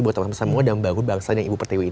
buat teman teman semua dan membangun bangsa